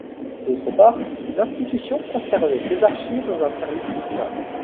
D'autre part, l’institution conservait ses archives dans un service distinct.